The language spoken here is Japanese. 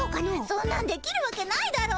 そんなんできるわけないだろ。